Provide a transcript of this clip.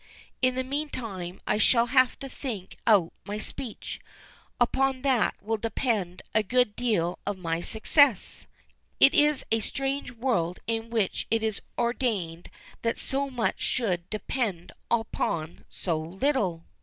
In the meantime I shall have to think out my speech; upon that will depend a good deal of my success. It is a strange world in which it is ordained that so much should depend upon so little!"